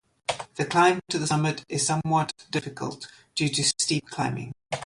The climb to the summit is somewhat difficult due to steep climbing.